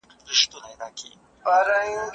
پیالې